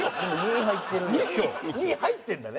２入ってるんだね。